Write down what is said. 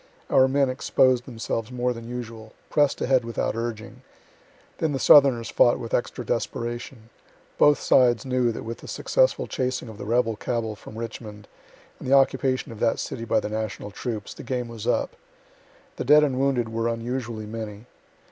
Our men exposed themselves more than usual; press'd ahead without urging. Then the southerners fought with extra desperation. Both sides knew that with the successful chasing of the rebel cabal from Richmond, and the occupation of that city by the national troops, the game was up. The dead and wounded were unusually many.